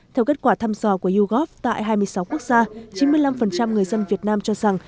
theo kết quả thăm dò của yougov tại hai mươi sáu quốc gia chín mươi năm người dân việt nam cho rằng